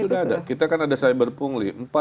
sudah ada kita kan ada cyber pungli